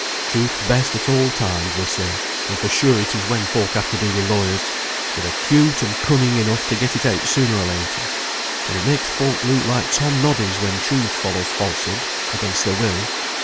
Truth's best at all times, they say; and for sure it is when folk have to do with lawyers; for they're 'cute and cunning enough to get it out sooner or later, and it makes folk look like Tom Noddies, when truth follows falsehood, against their will."